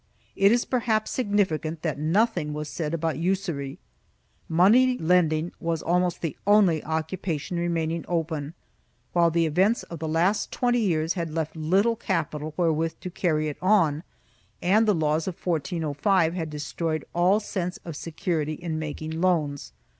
It is perhaps significant that^ nothing was said about usury. Money lending was almost the only occupation remaining open, while the events of the last twenty years had left little capital wherewith to carry it on and the laws of 1405 had destroyed all sense of security in making loans.